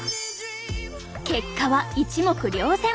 結果は一目瞭然。